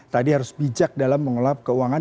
tadi harus bijak dalam mengelola keuangan